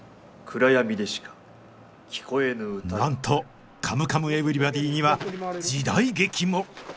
なんと「カムカムエヴリバディ」には時代劇も！